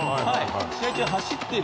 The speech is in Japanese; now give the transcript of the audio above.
試合中走ってる。